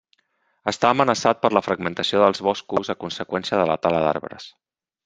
Està amenaçat per la fragmentació dels boscos a conseqüència de la tala d'arbres.